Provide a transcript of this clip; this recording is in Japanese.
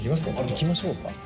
行きましょうか？